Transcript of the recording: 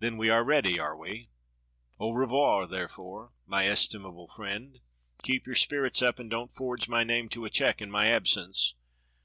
"Then we are ready, are we? Au re voir, therefore, my estimable friend! Keep your spirits up, and don't forge my name to a check in my absence